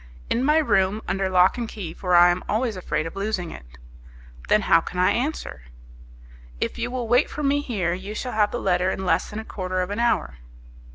"In my room under lock and key, for I am always afraid of losing it." "Then how can I answer?" "If you will wait for me here, you shall have the letter in less than a quarter of an hour."